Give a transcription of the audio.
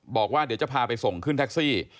บอกว่าเดี๋ยวจะพาไปส่งขึ้นแท็กซี่